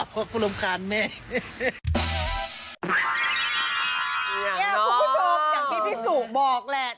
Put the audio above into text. คุณผู้ชมอย่างที่พี่สุบอกแหละ